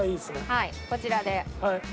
はいこちらで。